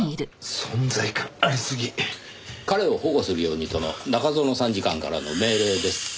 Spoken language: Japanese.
彼を保護するようにとの中園参事官からの命令です。